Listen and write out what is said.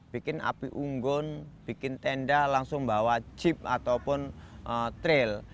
bikin api unggun bikin tenda langsung bawa chip ataupun trail